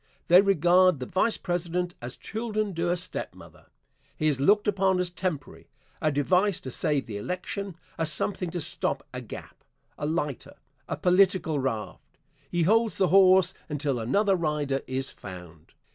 They regard the Vice President as children do a stepmother. He is looked upon as temporary a device to save the election a something to stop a gap a lighter a political raft. He holds the horse until another rider is found.